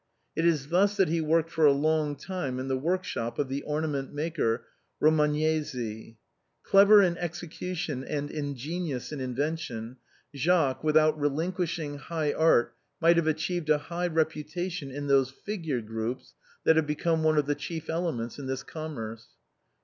It is thus that he worked for a long time in the workshop of the ornament maker Romagnesi. Clever in execution and ingenious in invention, Jacques, without relinquishing high art, might have achieved a high reputation in those figure groups that have become one of the chief element> in this commerce.